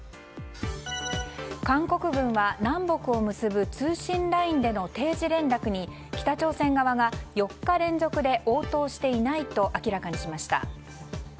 韓国軍は南北を結ぶ通信ラインでの定時連絡に北朝鮮側が４日連続で応答していないと明らかにしました。